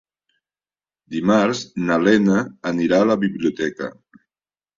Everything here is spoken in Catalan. Dimarts na Lena anirà a la biblioteca.